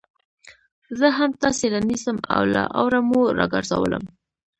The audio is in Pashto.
زه هم تاسي رانيسم او له اوره مو راگرځوم